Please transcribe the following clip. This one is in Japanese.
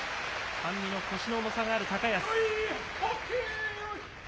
半身の腰の重さがある高安。